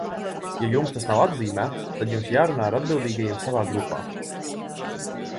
Ja jums tas nav atzīmēts, tad jums jārunā ar atbildīgajiem savā grupā.